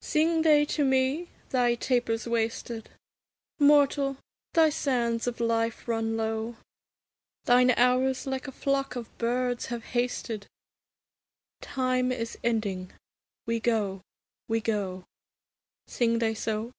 Sing they to me? 'Thy taper's wasted; Mortal, thy sands of life run low; Thine hours like a flock of birds have hasted: Time is ending; we go, we go.' Sing they so?